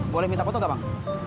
boleh minta foto gak bang